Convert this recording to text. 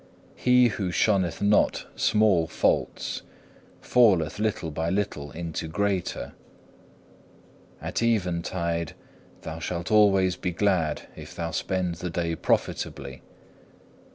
He who shunneth not small faults falleth little by little into greater. At eventide thou shalt always be glad if thou spend the day profitably.